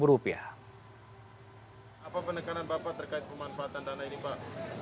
apa penekanan bapak terkait pemanfaatan dana ini pak